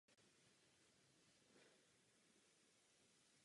Takřka ve středu historické části města se nachází náměstí "Markt".